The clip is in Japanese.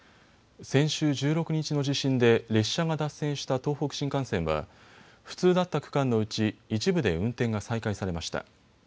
先週１６日の地震で列車が脱線した東北新幹線は不通だった区間のうち一部で運転が再開されました。